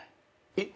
えっ？